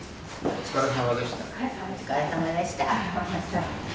お疲れさまでした。